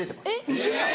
ウソやん！